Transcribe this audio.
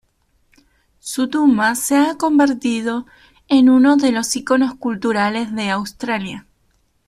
Su tumba se ha convertido en uno de los iconos culturales de Australia.